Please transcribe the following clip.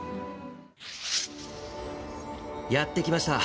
やって来ました。